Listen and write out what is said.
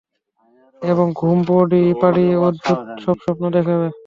এবং ঘুম পাড়িয়ে অদ্ভুত সব স্বপ্ন দেখাবে।